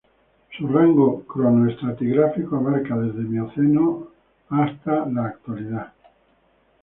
Su rango cronoestratigráfico abarca desde Mioceno el hasta la Actualidad.